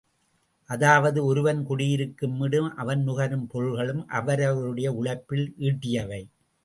அதாவது ஒருவன் குடியிருக்கும் வீடும் அவன் நுகரும் பொருள்களும் அவரவருடைய உழைப்பில் ஈட்டியவை.